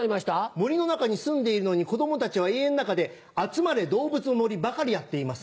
森の中に住んでいるのに子供たちは家ん中で「あつまれどうぶつの森」ばかりやっています。